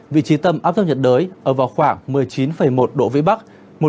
vị trí tâm áp thấp nhiệt đới ở vào khoảng một mươi chín một độ vĩ bắc